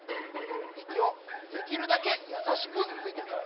いきをできるだけやさしくふいてみよう。